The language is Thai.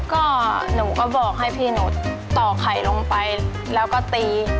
ก็หนูก็บอกให้พี่หนูต่อไข่ลงไปแล้วก็ตี